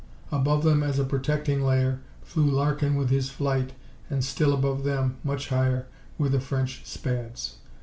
Above them, as a protecting layer, flew Larkin with his flight, and still above them, much higher, were the French Spads.